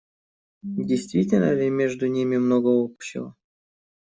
Действительно ли между ними много общего?